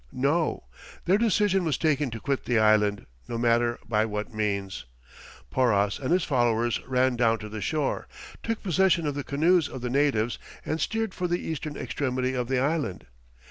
No! their decision was taken to quit the island, no matter by what means. Porras and his followers ran down to the shore, took possession of the canoes of the natives, and steered for the eastern extremity of the island.